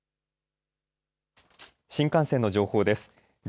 新幹線の情報です。